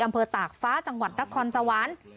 อำเภอตากฟ้าจังหวัดนักคลสวรรค์